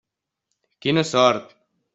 Quina sort!